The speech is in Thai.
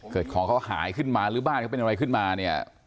ของเขาหายขึ้นมาหรือบ้านเขาเป็นอะไรขึ้นมาเนี่ย